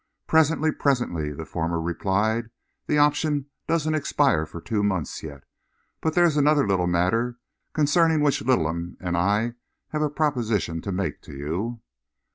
"Presently ... presently," the former replied. "The option doesn't expire for two months yet. But there is another little matter concerning which Littleham and I have a proposition to make to you."